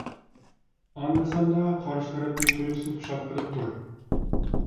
ئاندا-ساندا قارىشى تەرەپنى تۇيۇقسىز خۇشال قىلىپ تۇر.